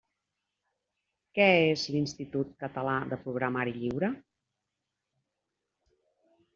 Què és l'Institut Català de Programari Lliure?